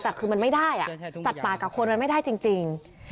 แต่คือมันไม่ได้สัตว์ป่ากับคนมันไม่ได้จริง